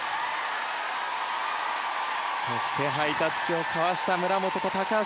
そして、ハイタッチを交わした村元と高橋。